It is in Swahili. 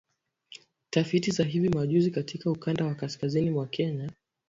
Tafiti za hivi majuzi katika ukanda wa kaskazini mwa Kenya